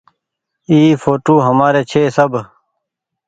اي ڦوٽو همآري ڇي۔ سب ۔